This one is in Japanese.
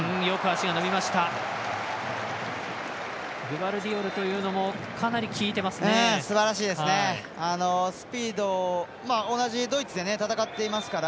グバルディオルというのもかなりきいてますね。